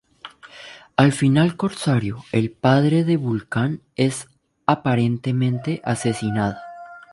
Al final, Corsario, el padre de Vulcan, es aparentemente asesinado.